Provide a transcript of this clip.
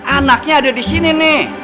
anaknya ada disini nih